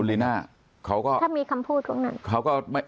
ถ้ามีคำพูดตรงนั้น